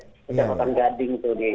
di kawasan gading itu nih